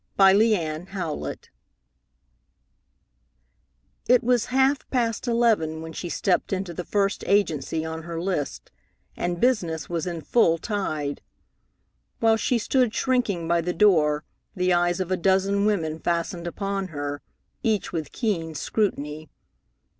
VI It was half past eleven when she stepped into the first agency on her list, and business was in full tide. While she stood shrinking by the door the eyes of a dozen women fastened upon her, each with keen scrutiny.